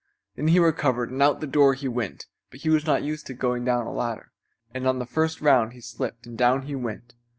Then he recovered and out of the door he went; but he was not used to going down a ladder, and on the first round he slipped and down he went.